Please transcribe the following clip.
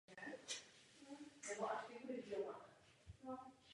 Jaké bude složení sekretariátu?